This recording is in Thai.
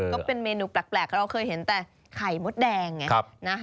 ก็เป็นเมนูแปลกเราเคยเห็นแต่ไข่มดแดงไงนะ